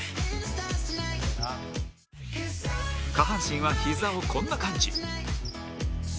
下半身はひざをこんな感じ